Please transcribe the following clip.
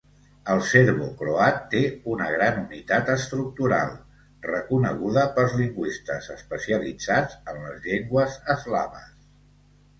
El serbocroat té una gran unitat estructural, reconeguda pels lingüistes especialitzats en les llengües eslaves.